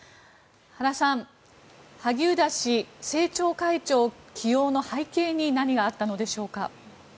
原さん、萩生田氏政調会長起用の背景に何があったのでしょうか。